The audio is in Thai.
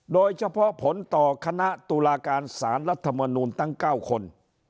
โดยเฉพาะผลต่อคณะตุลาการสารรัฐมนูลตั้ง๙คน